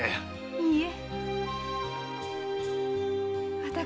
いいえ。